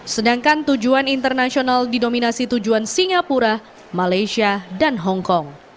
sedangkan tujuan internasional didominasi tujuan singapura malaysia dan hongkong